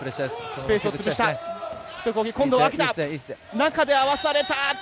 中で合わされた。